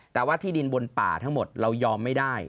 แต่ว่าที่ดินบนป่าทั้งหมดเรายอมไม่ได้